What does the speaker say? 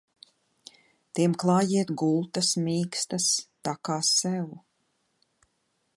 Tiem klājiet gultas mīkstas tā kā sev!